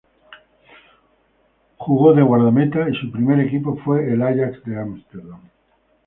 Jugó de guardameta y su primer equipo fue el Ajax Amsterdam.